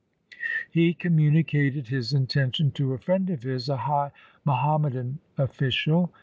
He communi cated his intention to a friend of his, a high Muham madan official.